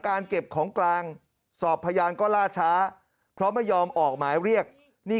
เก็บของกลางสอบพยานก็ล่าช้าเพราะไม่ยอมออกหมายเรียกนี่